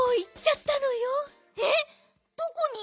えっどこに！？